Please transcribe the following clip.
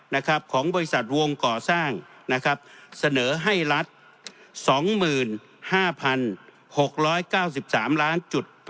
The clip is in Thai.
นะครับของบริษัทวงก่อสร้างนะครับเสนอให้รัฐสองหมื่นห้าพันหกร้อยเก้าสิบสามล้านจุด